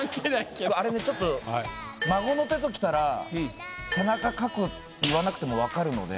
あれねちょっと「孫の手」ときたら「背中かく」って言わなくても分かるので。